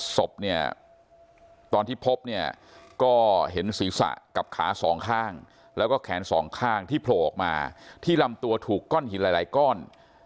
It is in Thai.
ศพเนี่ยตอนที่พบเนี่ยก็เห็นศีรษะกับขาสองข้างแล้วก็แขนสองข้างที่โผล่ออกมาที่ลำตัวถูกก้อนหินหลายก้อน